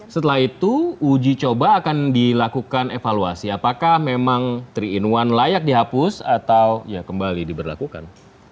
setelah itu uji coba akan dilakukan evaluasi apakah memang tiga in satu layak dihapus atau ya kembali diberlakukan